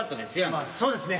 まあそうですね。